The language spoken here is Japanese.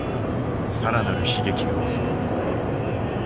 更なる悲劇が襲う。